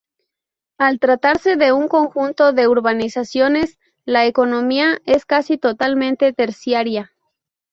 Al tratarse de un conjunto de urbanizaciones, la economía es casi totalmente terciaria.